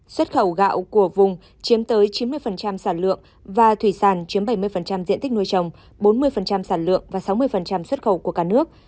xuất khẩu gạo của vùng chiếm tới chín mươi sản lượng và thủy sản chiếm bảy mươi diện tích nuôi chồng bốn mươi sản lượng và sáu mươi xuất khẩu của cả nước